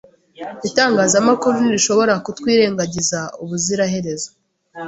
Itangazamakuru ntirishobora kutwirengagiza ubuziraherezo.